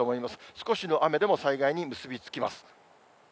少しの雨でも災害に結び付きます。